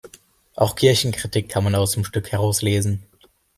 Auch Kirchenkritik kann man aus dem Stück herauslesen.